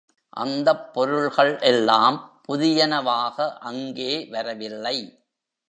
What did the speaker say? அந்தப் பொருள்கள் எல்லாம் புதியனவாக அங்கே வரவில்லை.